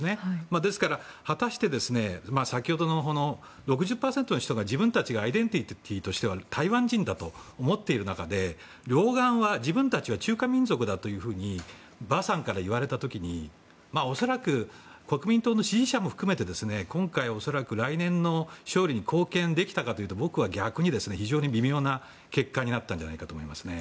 ですから、果たして先ほどの６０％の人が自分たちがアイデンティティーとしては台湾人だと思っている中で両岸は、自分たちは中華民族だというふうに馬さんから言われた時に恐らく、国民党の支持者も含め今回は、来年の勝利に貢献できたかというと僕は逆に非常に微妙な結果になったのではと思いますね。